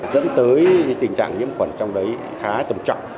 dẫn tới tình trạng nhiễm khuẩn trong đấy khá tầm trọng